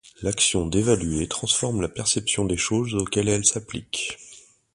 L'action d'évaluer transforme la perception des choses auxquelles elle s'applique.